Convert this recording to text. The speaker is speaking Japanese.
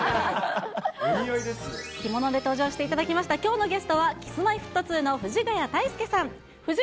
着物で登場していただきました、きょうのゲストは、Ｋｉｓ−Ｍｙ−Ｆｔ２の藤ヶ谷太輔さん。